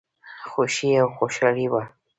خوښي او خوشالي وه.